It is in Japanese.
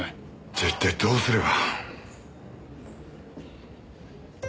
じゃあ一体どうすれば。